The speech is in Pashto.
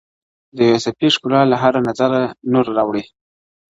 د يوسفي ښکلا له هر نظره نور را اوري_